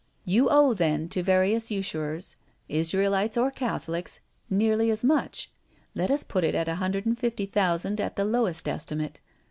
You owe, then, to various usurers, Israelites or Catholics, nearly as much. Let us put it at a hundred and fifty thousand at the lowest estimate.